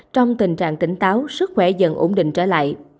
trong tình trạng tỉnh táo sức khỏe dần ổn định trở lại